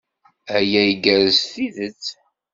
Aya igerrez s tidet.